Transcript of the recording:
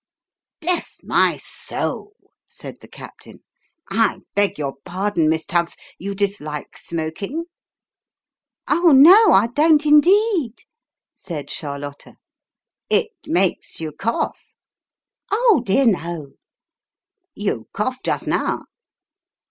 "Bless my soul!" said the captain, "I beg your pardon, Miss Tuggs. You dislike smoking ?"' Oh, no ; I don't indeed," said Charlotta. ' It makes you cough." ' Oh dear no." ' You coughed just now."